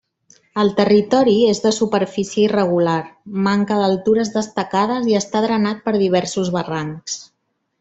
El territori és de superfície irregular, manca d'altures destacades i està drenat per diversos barrancs.